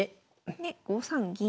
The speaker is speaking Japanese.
で５三銀。